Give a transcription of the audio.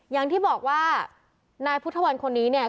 อย่างที่บอกว่านายพุทธวันคนนี้เนี่ย